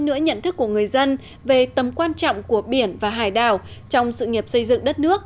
nửa nhận thức của người dân về tầm quan trọng của biển và hải đảo trong sự nghiệp xây dựng đất nước